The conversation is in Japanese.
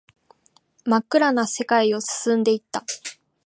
真っ暗な世界を進んでいった